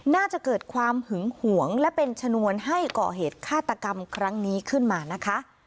น่าจะเกิดความหึงหวงและเป็นชนวนให้ก่อเหตุฆาตกรรมครั้งนี้ขึ้นมานะคะ